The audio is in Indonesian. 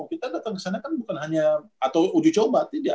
kita datang kesana kan bukan hanya atau uji coba tidak